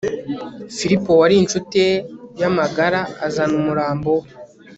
filipo wari incuti ye y'amagara azana umurambo we